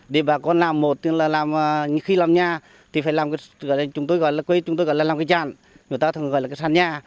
để bà con làm một khi làm nhà thì chúng tôi gọi là làm cái tràn người ta thường gọi là cái sàn nhà